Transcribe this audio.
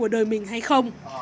đời mình hay không